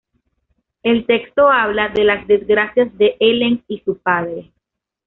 El texto habla de las desgracias de Ellen y su padre.